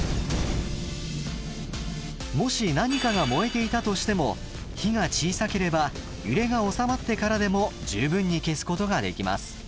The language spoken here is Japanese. もし何かが燃えていたとしても火が小さければ揺れが収まってからでも十分に消すことができます。